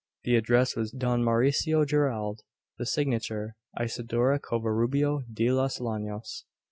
The address was "Don Mauricio Gerald;" the signature, "Isidora Covarubio de los Llanos."